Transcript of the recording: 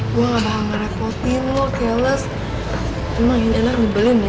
gue gak bakal ngerepotin lo keles emang ini enak dibeliin ya